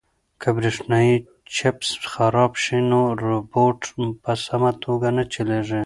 که برېښنايي چپس خراب شي نو روبوټ په سمه توګه نه چلیږي.